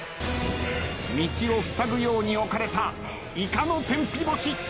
道をふさぐように置かれたイカの天日干し。